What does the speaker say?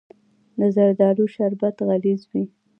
د زردالو شربت غلیظ وي.